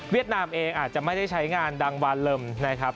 เวียดนามเองอาจจะไม่ได้ใช้งานดังวัลลำนะครับ